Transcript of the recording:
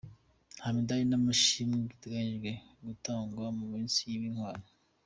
Nta midari n’amashimwe biteganyijwe gutangwa ku munsi w’intwari